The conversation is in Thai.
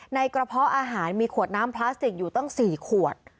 ในกระเพาะอาหารมีขวดน้ำพลาสติกอยู่ตั้ง๔ขวด